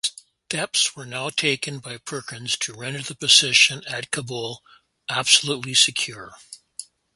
Steps were now taken by Perkins to render the position at Kabul absolutely secure.